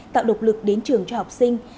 tạo độc lực đến trường cho học sinh